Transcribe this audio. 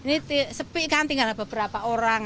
ini sepi kan tinggal beberapa orang